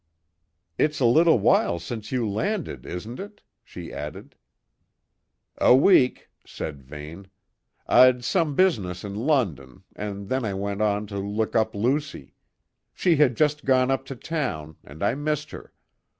"It's a little while since you landed, isn't it?" she added. "A week," said Vane. "I'd some business in London, and then I went on to look up Lucy. She had just gone up to town, and I missed her.